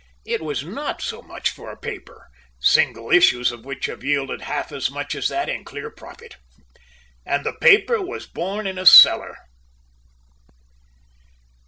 It was not so much for a paper, single issues of which have yielded half as much as that in clear profit. And the paper was born in a cellar!